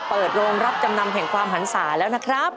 เปิดโรงรับจำนำแห่งความหันศาแล้วนะครับ